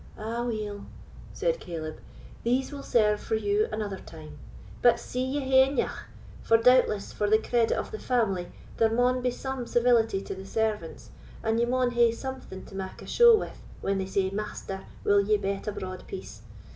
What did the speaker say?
"Aweel," said Caleb, "these will serve for you another time; but see ye hae eneugh, for, doubtless, for the credit of the family, there maun be some civility to the servants, and ye maun hae something to mak a show with when they say, 'Master, will you bet a broad piece?